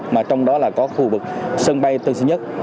mà trong đó là có khu vực sân bay tân sơn nhất